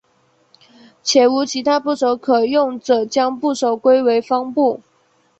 且无其他部首可用者将部首归为方部。